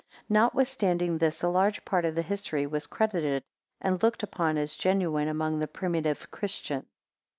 Notwithstanding this, a large part of the history was credited and looked upon as genuine among the primitive Christians.